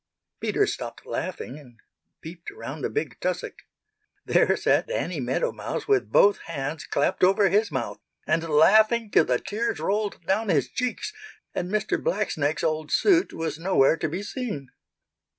Peter stopped laughing and peeped around the big tussock. There sat Danny Meadow Mouse with both hands clapped over his mouth, and laughing till the tears rolled down his cheeks, and Mr. Blacksnake's old suit was nowhere to be seen.